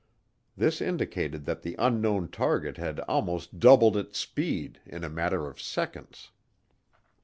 This indicated that the unknown target had almost doubled its speed in a matter of seconds.